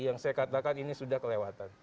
yang saya katakan ini sudah kelewatan